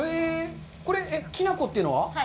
これ、きな粉というのは？